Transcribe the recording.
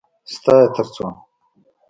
_ستا يې تر څو؟